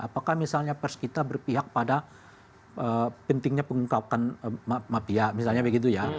apakah misalnya pers kita berpihak pada pentingnya pengungkapan mafia misalnya begitu ya